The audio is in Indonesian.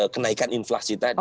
kenaikan inflasi tadi